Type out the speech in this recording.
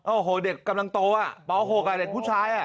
โอ้โหเด็กกำลังโตอ่ะบอกว่าเด็กผู้ชายอ่ะ